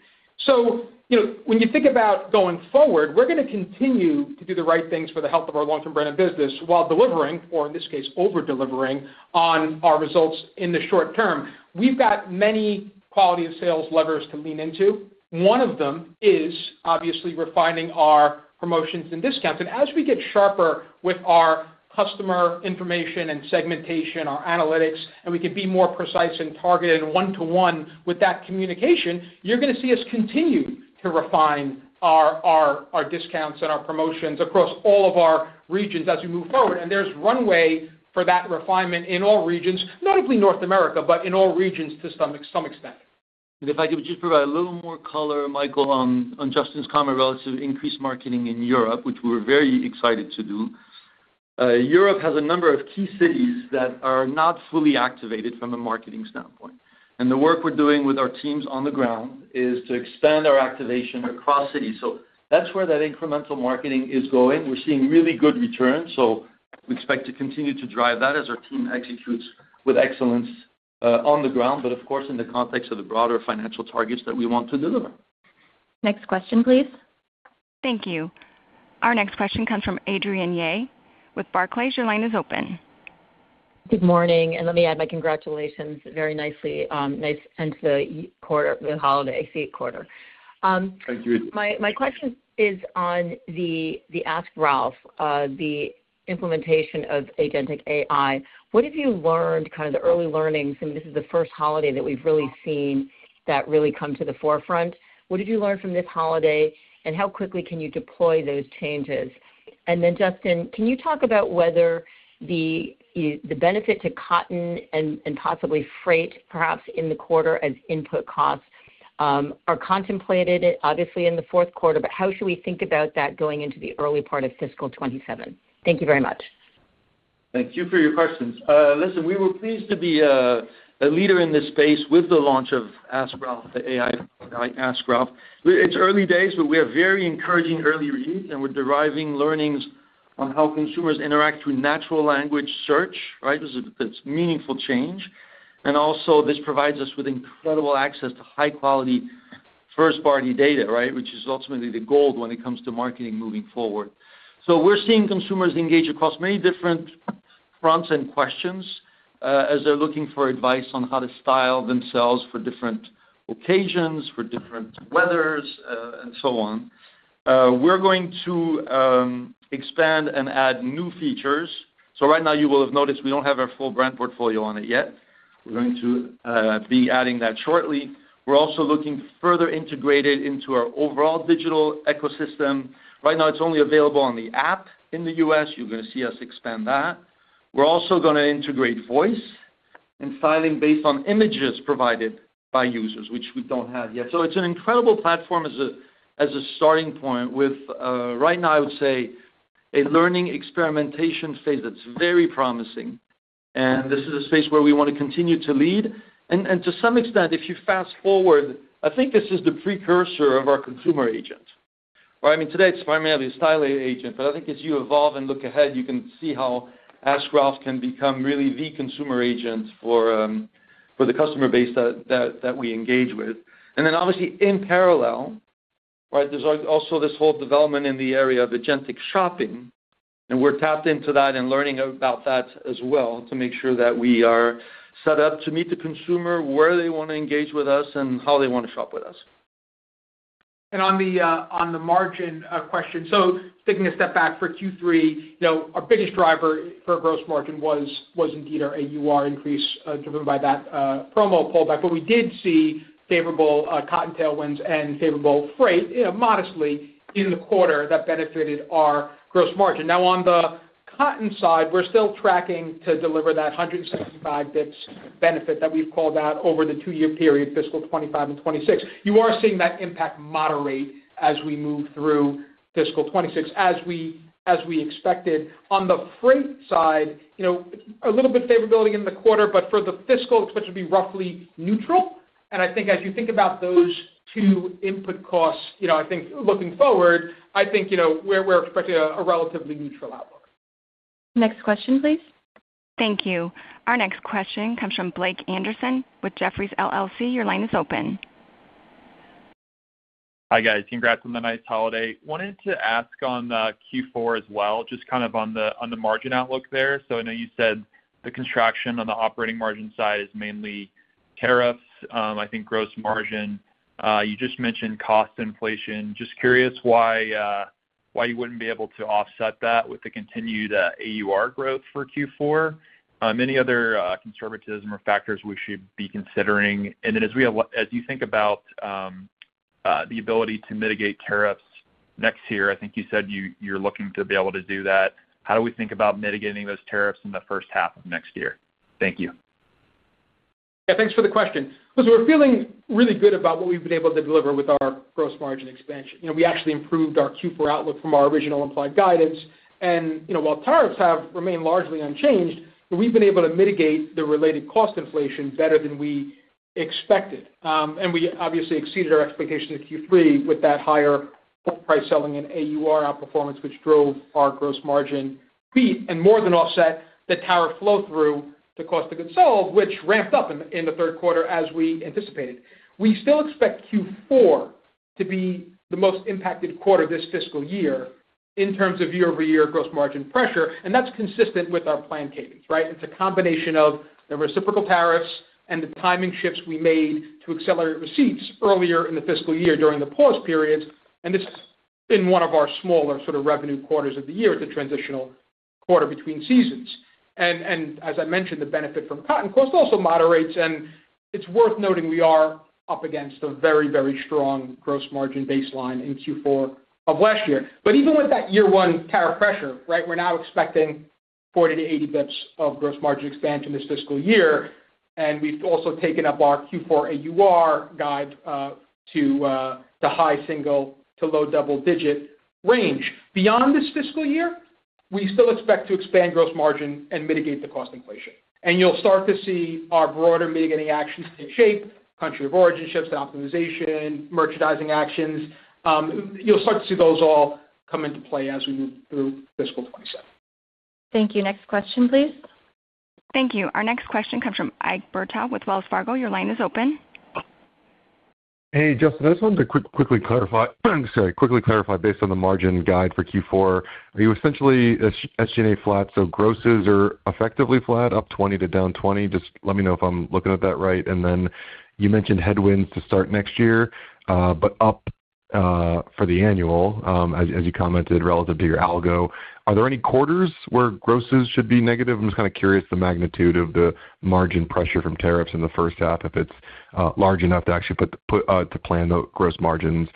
So you know, when you think about going forward, we're gonna continue to do the right things for the health of our long-term brand and business while delivering, or in this case, over-delivering on our results in the short term. We've got many quality of sales levers to lean into. One of them is obviously refining our promotions and discounts. And as we get sharper with our customer information and segmentation, our analytics, and we can be more precise and targeted one-to-one with that communication, you're gonna see us continue to refine our discounts and our promotions across all of our regions as we move forward. And there's runway for that refinement in all regions, notably North America, but in all regions to some extent. And if I could just provide a little more color, Michael, on Justin's comment relative to increased marketing in Europe, which we're very excited to do. Europe has a number of key cities that are not fully activated from a marketing standpoint, and the work we're doing with our teams on the ground is to expand our activation across cities. So that's where that incremental marketing is going. We're seeing really good returns, so we expect to continue to drive that as our team executes with excellence, on the ground, but of course, in the context of the broader financial targets that we want to deliver. Next question, please. Thank you. Our next question comes from Adrienne Yih with Barclays. Your line is open.... Good morning, and let me add my congratulations. Very nicely, nice end to the year quarter, the holiday, Q4 quarter. Thank you. My question is on the Ask Ralph, the implementation of agentic AI. What have you learned, kind of the early learnings, and this is the first holiday that we've really seen that really come to the forefront. What did you learn from this holiday, and how quickly can you deploy those changes? And then, Justin, can you talk about whether the benefit to cotton and possibly freight, perhaps in the quarter as input costs are contemplated, obviously, in the Q4, but how should we think about that going into the early part of fiscal 2027? Thank you very much. Thank you for your questions. Listen, we were pleased to be a leader in this space with the launch of Ask Ralph, the AI, Ask Ralph. It's early days, but we are very encouraging early reviews, and we're deriving learnings on how consumers interact with natural language search, right? This is, that's meaningful change. And also, this provides us with incredible access to high quality first party data, right, which is ultimately the goal when it comes to marketing moving forward. So we're seeing consumers engage across many different fronts and questions, as they're looking for advice on how to style themselves for different occasions, for different weathers, and so on. We're going to expand and add new features. So right now, you will have noticed we don't have our full brand portfolio on it yet. We're going to be adding that shortly. We're also looking further integrated into our overall digital ecosystem. Right now, it's only available on the app in the U.S. You're gonna see us expand that. We're also gonna integrate voice and styling based on images provided by users, which we don't have yet. So it's an incredible platform as a starting point with right now, I would say, a learning experimentation phase that's very promising. And this is a space where we wanna continue to lead. And to some extent, if you fast forward, I think this is the precursor of our consumer agent, right? I mean, today, it's primarily a style agent, but I think as you evolve and look ahead, you can see how Ask Ralph can become really the consumer agent for the customer base that we engage with. And then, obviously, in parallel, right, there's also this whole development in the area of agentic shopping, and we're tapped into that and learning about that as well to make sure that we are set up to meet the consumer where they wanna engage with us and how they wanna shop with us. On the margin question, so taking a step back for Q3, you know, our biggest driver for gross margin was indeed our AUR increase, driven by that promo pullback. But we did see favorable cotton tailwinds and favorable freight, you know, modestly in the quarter that benefited our gross margin. Now, on the cotton side, we're still tracking to deliver that 165 bps benefit that we've called out over the two-year period, fiscal 2025 and 2026. You are seeing that impact moderate as we move through fiscal 2026, as we expected. On the freight side, you know, a little bit favorability in the quarter, but for the fiscal, expected to be roughly neutral. I think as you think about those two input costs, you know, I think looking forward, I think, you know, we're expecting a relatively neutral outlook. Next question, please. Thank you. Our next question comes from Blake Anderson with Jefferies LLC. Your line is open. Hi, guys. Congrats on the nice holiday. Wanted to ask on Q4 as well, just kind of on the margin outlook there. So I know you said the contraction on the operating margin side is mainly tariffs. I think gross margin, you just mentioned cost inflation. Just curious why, why you wouldn't be able to offset that with the continued AUR growth for Q4? Any other conservatism or factors we should be considering? And then as we, as you think about the ability to mitigate tariffs next year, I think you said you, you're looking to be able to do that. How do we think about mitigating those tariffs in the first half of next year? Thank you. Yeah, thanks for the question. Listen, we're feeling really good about what we've been able to deliver with our gross margin expansion. You know, we actually improved our Q4 outlook from our original implied guidance. And, you know, while tariffs have remained largely unchanged, we've been able to mitigate the related cost inflation better than we expected. And we obviously exceeded our expectations in Q3 with that higher price selling and AUR outperformance, which drove our gross margin beat and more than offset the tariff flow through the cost of goods sold, which ramped up in the Q3 as we anticipated. We still expect Q4 to be the most impacted quarter this fiscal year in terms of year-over-year gross margin pressure, and that's consistent with our planned cadence, right? It's a combination of the reciprocal tariffs and the timing shifts we made to accelerate receipts earlier in the fiscal year during the pause periods, and it's been one of our smaller sort of revenue quarters of the year, the transitional quarter between seasons. As I mentioned, the benefit from cotton cost also moderates, and it's worth noting we are up against a very, very strong gross margin baseline in Q4 of last year. But even with that year one tariff pressure, right, we're now expecting 40 to 80 basis points of gross margin expansion this fiscal year, and we've also taken up our Q4 AUR guide to the high single- to low double-digit range. Beyond this fiscal year, we still expect to expand gross margin and mitigate the cost inflation. You'll start to see our broader mitigating actions take shape, country of origin shifts, optimization, merchandising actions. You'll start to see those all come into play as we move through fiscal 2027. Thank you. Next question, please. Thank you. Our next question comes from Ike Boruchow with Wells Fargo. Your line is open. ... Hey, Justin, I just wanted to quickly clarify, sorry, based on the margin guide for Q4, are you essentially SG&A flat, so grosses are effectively flat, up 20 to down 20? Just let me know if I'm looking at that right. And then you mentioned headwinds to start next year, but up for the annual, as you commented relative to your algo. Are there any quarters where grosses should be negative? I'm just kind of curious the magnitude of the margin pressure from tariffs in the first half, if it's large enough to actually put to plan the gross margins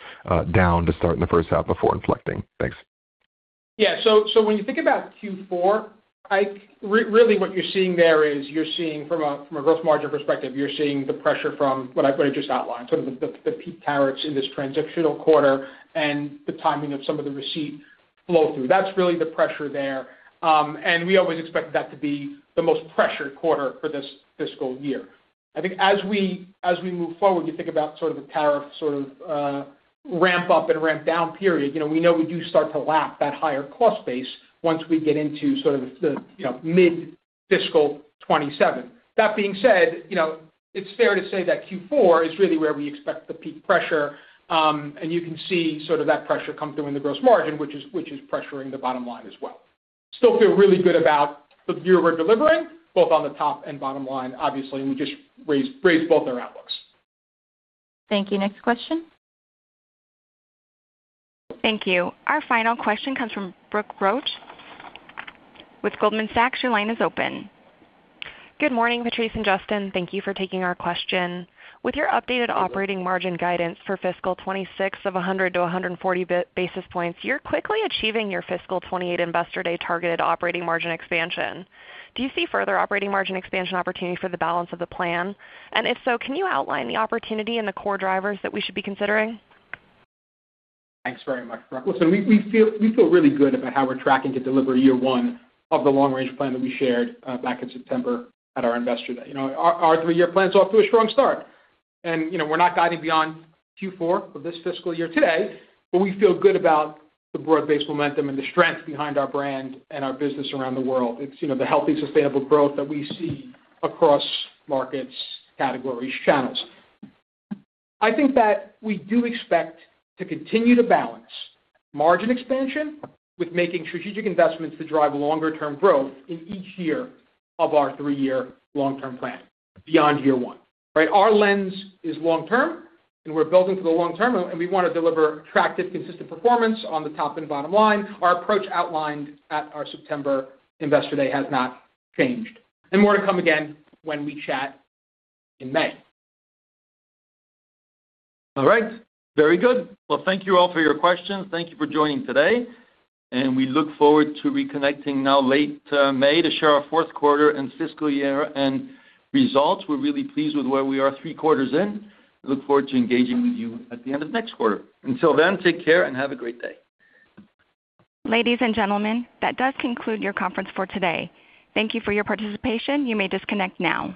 down to start in the first half before inflecting. Thanks. Yeah, so when you think about Q4, I really what you're seeing there is, you're seeing from a growth margin perspective, you're seeing the pressure from what I just outlined, sort of the peak tariffs in this transitional quarter and the timing of some of the receipt flow through. That's really the pressure there. And we always expected that to be the most pressured quarter for this fiscal year. I think as we move forward, you think about sort of the tariff ramp up and ramp down period, you know, we know we do start to lap that higher cost base once we get into sort of the mid-fiscal 2027. That being said, you know, it's fair to say that Q4 is really where we expect the peak pressure, and you can see sort of that pressure come through in the gross margin, which is pressuring the bottom line as well. Still feel really good about the view we're delivering, both on the top and bottom line. Obviously, we just raised both our outlooks. Thank you. Next question? Thank you. Our final question comes from Brooke Roach with Goldman Sachs. Your line is open. Good morning, Patrice and Justin. Thank you for taking our question. With your updated operating margin guidance for fiscal 2026 of 100-140 basis points, you're quickly achieving your fiscal 2028 investor day targeted operating margin expansion. Do you see further operating margin expansion opportunity for the balance of the plan? And if so, can you outline the opportunity and the core drivers that we should be considering? Thanks very much, Brooke. Listen, we feel really good about how we're tracking to deliver year one of the long-range plan that we shared back in September at our Investor Day. You know, our three-year plan's off to a strong start. You know, we're not guiding beyond Q4 of this fiscal year today, but we feel good about the broad-based momentum and the strength behind our brand and our business around the world. It's you know, the healthy, sustainable growth that we see across markets, categories, channels. I think that we do expect to continue to balance margin expansion with making strategic investments to drive longer-term growth in each year of our three-year long-term plan beyond year one, right? Our lens is long term, and we're building for the long term, and we wanna deliver attractive, consistent performance on the top and bottom line. Our approach outlined at our September Investor Day has not changed. More to come again when we chat in May. All right. Very good. Well, thank you all for your questions. Thank you for joining today, and we look forward to reconnecting now late, May, to share our Q4 and fiscal year-end results. We're really pleased with where we are three quarters in. Look forward to engaging with you at the end of next quarter. Until then, take care and have a great day. Ladies and gentlemen, that does conclude your conference for today. Thank you for your participation. You may disconnect now.